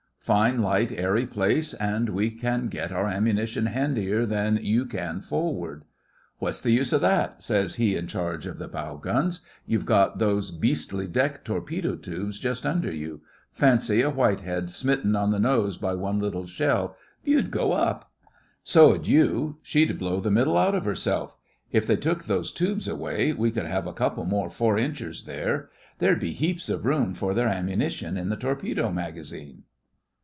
'Fine, light airy place, and we can get our ammunition handier than you can forward.' 'What's the use of that?' says he in charge of the bow guns. 'You've got those beastly deck torpedo tubes just under you. Fancy a Whitehead smitten on the nose by one little shell. You'd go up.' 'So'd you. She'd blow the middle out of herself. If they took those tubes away we could have a couple more four inchers there. There'd be heaps of room for their ammunition in the torpedo magazine.